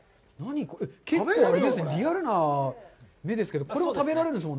結構あれですね、リアルな目ですけど、これも食べられるんですか？